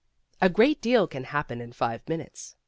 A great deal can happen in five minutes.